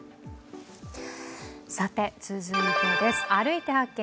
続いて「歩いて発見！